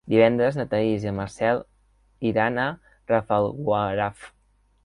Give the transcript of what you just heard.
Divendres na Thaís i en Marcel iran a Rafelguaraf.